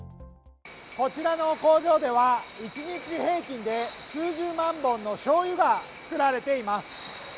こちらの工場では、１日平均で数十万本のしょうゆが作られています。